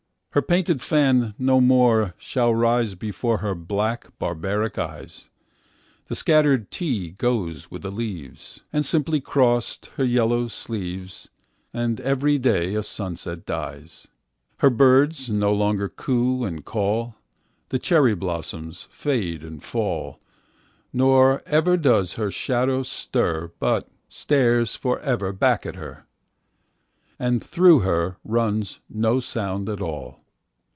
Her painted fan no more shall riseBefore her black barbaric eyes—The scattered tea goes with the leaves. And simply crossed her yellow sleeves; And every day a sunset dies. Her birds no longer coo and call, The cherry blossoms fade and fall, Nor ever does her shadow stir, But stares forever back at her, And through her runs no sound at all.